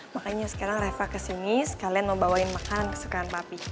makanya sekarang reva kesini sekalian mau bawain makanan kesukaan papi